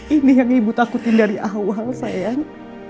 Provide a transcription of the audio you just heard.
ini yang ibu takutin dari awal sayang